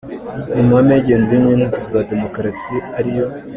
Mu mahame y’ingenzi y’inkingi za Demukarasi ariyo :